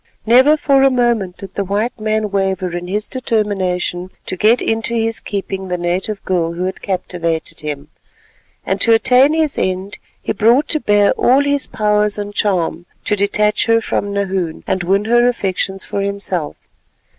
Never for a moment did the white man waver in his determination to get into his keeping the native girl who had captivated him, and to attain his end he brought to bear all his powers and charm to detach her from Nahoon, and win her affections for himself.